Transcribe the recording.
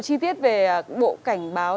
chi tiết về bộ cảnh báo